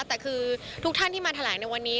แต่คือทุกท่านที่มาแถลงในวันนี้